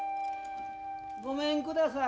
・ごめんください。